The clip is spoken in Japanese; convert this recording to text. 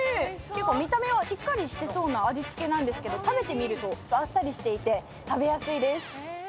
結構見た目はしっかりしてそうな味付けなんですけど食べてみるとあっさりしていて食べやすいです。